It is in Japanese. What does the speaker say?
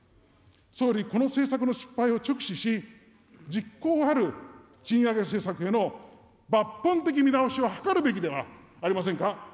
総理、この政策の失敗を直視し、実効ある賃上げ政策への抜本的見直しを図るべきではありませんか。